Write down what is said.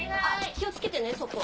気を付けてねそこ。